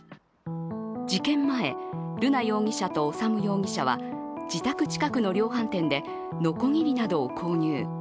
事件前、瑠奈容疑者と修容疑者は自宅近くの量販店でのこぎりなどを購入。